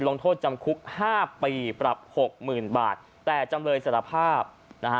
ลงโทษจำคุกห้าปีปรับหกหมื่นบาทแต่จำเลยสารภาพนะฮะ